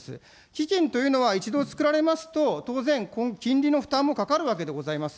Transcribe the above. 基金というのは一度作られますと、当然、金利の負担もかかるわけでございます。